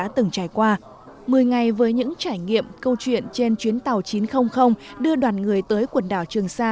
my ngày với những trải nghiệm câu chuyện trên chuyến tàu chín trăm linh đưa đoàn người tới quần đảo trường sa